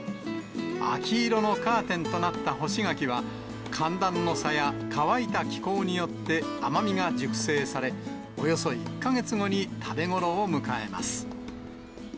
秋色のカーテンとなった干し柿は、寒暖の差や乾いた気候によって甘みが熟成され、およそ１か月後に食べ頃を迎えます。